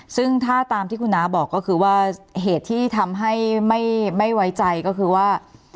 ซึ่งถ้าตามที่คุณน้าบอกก็คือว่าเหตุที่ทำให้ไม่ไว้ใจก็คือว่า